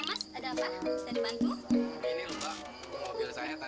gak apa apa mas ini ya apa apa